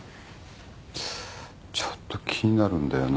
ちょっと気になるんだよな。